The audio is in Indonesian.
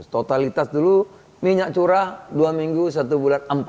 totalitas dulu minyak curah dua minggu satu bulan